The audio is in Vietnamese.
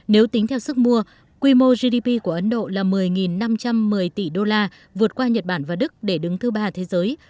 nếu tính theo sức mua quy mô gdp của ấn độ là một mươi năm trăm một mươi tỷ đô la vượt qua nhật bản và đức để đứng thứ ba thế giới